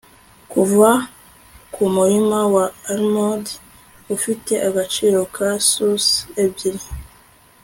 Kuva kumurima wa almond ufite agaciro ka sous ebyiri